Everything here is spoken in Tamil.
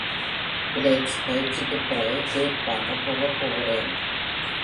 பிலேட்ஸ் பயிற்சிக்குப் பிறகு கேக் வாங்கப் போகப் போகிறேன்.